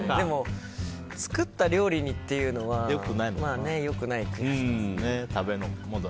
作った料理にっていうのはよくない気がしますね。